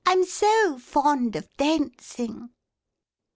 I'm so fond of dayncing